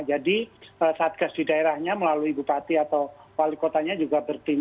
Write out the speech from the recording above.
jadi saat gas di daerahnya melalui bupati atau wali kotanya juga bertindak